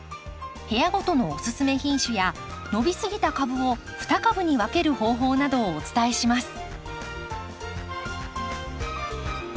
部屋ごとのおすすめ品種や伸びすぎた株を２株に分ける方法などをお伝えします。